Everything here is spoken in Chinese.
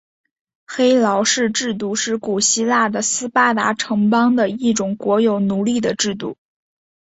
黑劳士制度是古希腊的斯巴达城邦的一种国有奴隶的制度。